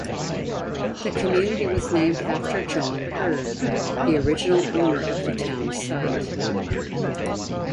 The community was named after John Hurd, the original owner of the town site.